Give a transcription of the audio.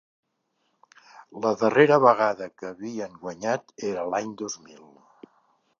La darrera vegada que havien guanyat era l’any dos mil.